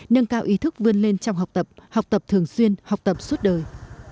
nâng cao ý thức vươn lên trong học tập học tập thường xuyên học tập suốt đời